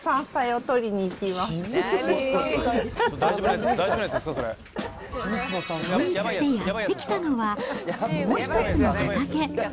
と言って、やって来たのは、もう一つの畑。